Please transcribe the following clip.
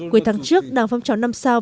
cuối tháng trước đảng phong trào năm sao